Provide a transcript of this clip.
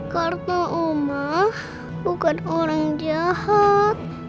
karena oma bukan orang jahat